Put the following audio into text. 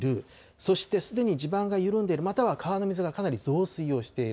そしてすでに地盤が緩んでる、または川の水がかなり増水をしている。